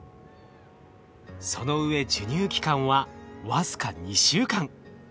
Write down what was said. そのうえ授乳期間は僅か２週間。